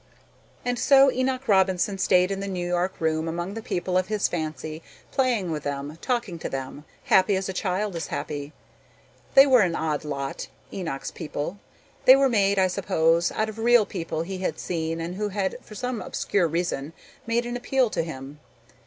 And so Enoch Robinson stayed in the New York room among the people of his fancy, playing with them, talking to them, happy as a child is happy. They were an odd lot, Enoch's people. They were made, I suppose, out of real people he had seen and who had for some obscure reason made an appeal to him.